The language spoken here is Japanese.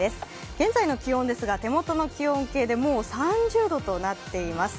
現在の気温ですが手元の気温計でもう３０度となっています。